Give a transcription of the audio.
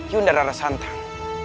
yundar arah santang